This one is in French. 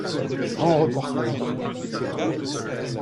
Grand reporter.